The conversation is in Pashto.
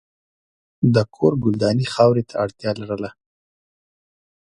د کور ګلداني خاورې ته اړتیا لرله.